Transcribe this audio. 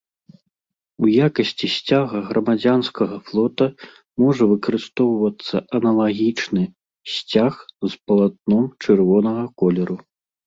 У якасці сцяга грамадзянскага флота можа выкарыстоўвацца аналагічны сцяг з палатном чырвонага колеру.